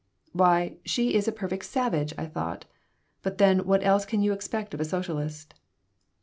"Why, she is a perfect savage!" I thought. "But then what else can you expect of a socialist?"